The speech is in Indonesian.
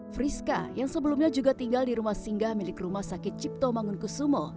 friska yang sebelumnya juga tinggal di rumah singgah milik rumah sakit cipto mangunkusumo